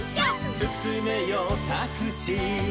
「すすめよタクシー」